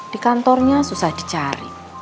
di kantornya susah dicari